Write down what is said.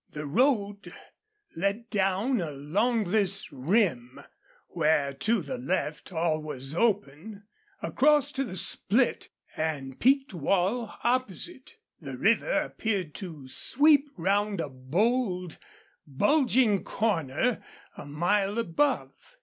The road led down along this rim where to the left all was open, across to the split and peaked wall opposite. The river appeared to sweep round a bold, bulging corner a mile above.